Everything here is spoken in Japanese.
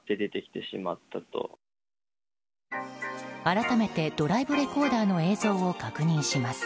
改めてドライブレコーダーの映像を確認します。